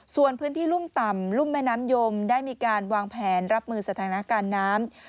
ส่วนพื้นที่รุ่มต่ำรุ่มแม่น้ำยมได้มีการวางแผนรับมือสถานการณ์น้ำ